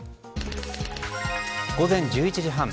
午前１１時半。